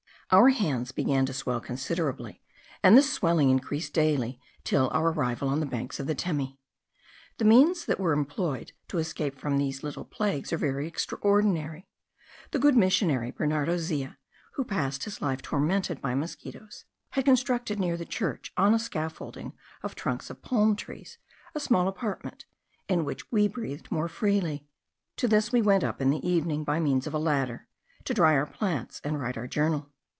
Our hands began to swell considerably, and this swelling increased daily till our arrival on the banks of the Temi. The means that are employed to escape from these little plagues are very extraordinary. The good missionary Bernardo Zea, who passed his life tormented by mosquitos, had constructed near the church, on a scaffolding of trunks of palm trees, a small apartment, in which we breathed more freely. To this we went up in the evening, by means of a ladder, to dry our plants and write our journal.